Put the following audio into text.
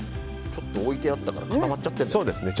ちょっと置いてあったから固まっちゃってるね。